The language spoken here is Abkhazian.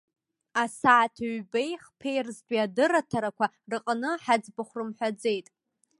Асааҭ ҩбеи хԥеи рзтәи адырраҭарақәа рҟны ҳаӡбахә рымҳәаӡеит.